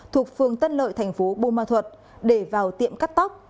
thuộc phường tân lợi thành phố bô ma thuật để vào tiệm cắt tóc